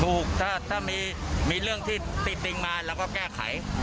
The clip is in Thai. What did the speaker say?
ถูกถ้ามีเรื่องที่ติดติงมาเราก็แก้ไข